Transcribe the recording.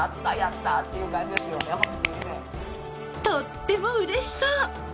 とってもうれしそう。